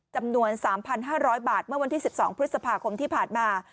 จำนวน๓๕๐๐บาทเมื่อวันที่๑๒พฤษภาคมที่ผ่านมา